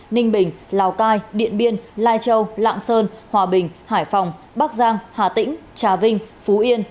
ninh bình lào cai điện biên lai châu lạng sơn hòa bình hải phòng bắc giang hà tĩnh trà vinh phú yên